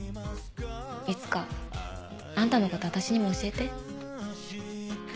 いつかあんたのこと私にも教えて。